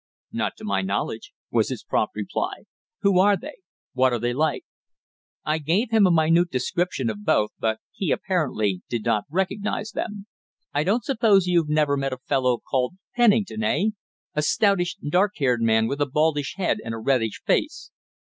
"Not to my knowledge," was his prompt reply. "Who are they? What are they like?" I gave him a minute description of both, but he apparently did not recognize them. "I suppose you've never met a fellow called Pennington eh? A stoutish, dark haired man with a baldish head and a reddish face?"